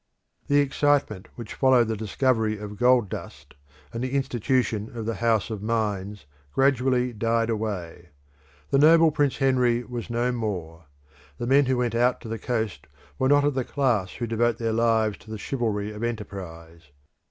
The excitement which followed the discovery of gold dust, and the institution of the House of Mines, gradually died away. The noble Prince Henry was no more. The men who went out to the coast were not of the class who devote their lives to the chivalry of enterprise.